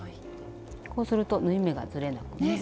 こうすると縫い目がずれなくて。